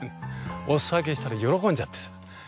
お裾分けしたら喜んじゃってさ。